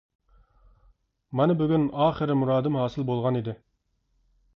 مانا بۈگۈن ئاخىرى مۇرادىم ھاسىل بولغان ئىدى.